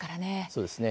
そうですね。